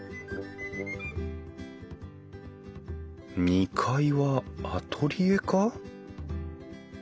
２階はアトリエか？